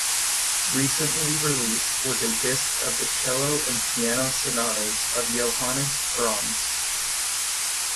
Recently released was a disc of the cello and piano sonatas of Johannes Brahms.